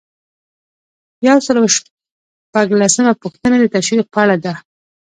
یو سل او شپږلسمه پوښتنه د تشویق په اړه ده.